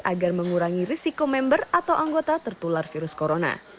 agar mengurangi risiko member atau anggota tertular virus corona